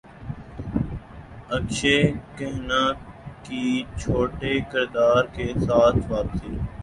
اکشے کھنہ کی چھوٹے کردار کے ساتھ واپسی